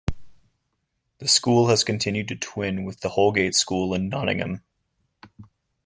The school has continued to twin with the Holgate School in Nottingham.